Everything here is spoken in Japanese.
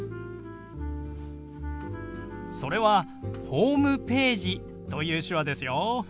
それは「ホームページ」という手話ですよ。